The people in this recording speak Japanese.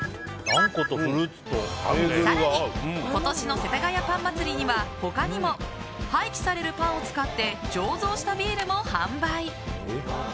更に今年の世田谷パン祭りには他にも廃棄されるパンを使って醸造したビールも販売。